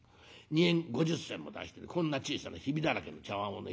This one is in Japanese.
２円５０銭も出してこんな小さなヒビだらけの茶わんをね